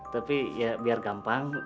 tapi ya biar gampang